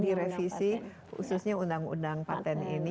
di revisi khususnya undang undang patent ini